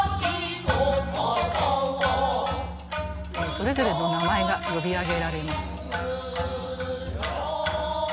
それぞれの名前が呼び上げられます。